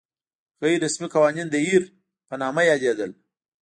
غیر رسمي قوانین د هیر په نامه یادېدل.